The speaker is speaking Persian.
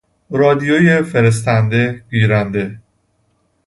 رادیوی فرستنده - گیرنده